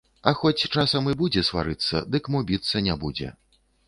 А хоць часам і будзе сварыцца, дык мо біцца не будзе.